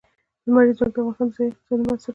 لمریز ځواک د افغانستان د ځایي اقتصادونو بنسټ دی.